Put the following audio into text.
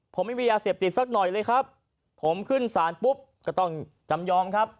ผมไม่มียาเสพติดสักหน่อยเลยครับผมขึ้นศาลปุ๊บก็ต้องจำยอมครับ